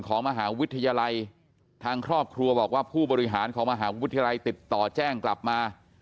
จะบอกว่าผู้บริหารของมหาวิทยาลัยติดต่อแจ้งกลับมา